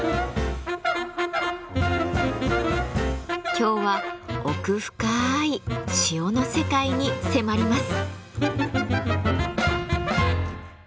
今日は奥深い「塩」の世界に迫ります。